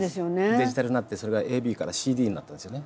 デジタルになってそれがＡＢからＣＤになったんですよね。